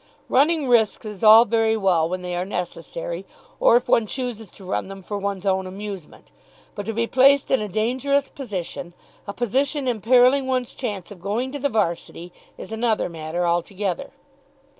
Running risks is all very well when they are necessary, or if one chooses to run them for one's own amusement, but to be placed in a dangerous position, a position imperilling one's chance of going to the 'Varsity, is another matter altogether.